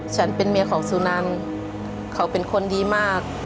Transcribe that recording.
ฉันเป็นเมียของสุนันเขาเป็นคนดีมาก